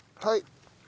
はい。